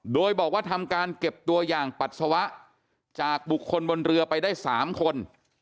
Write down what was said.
โดยบอกว่าทำการเก็บตัวอย่างปัสสาวะจากบุคคลบนเรือไปได้๓คน